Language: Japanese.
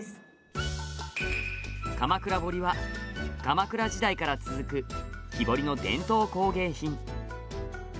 鎌倉彫は、鎌倉時代から続く木彫りの伝統工芸品。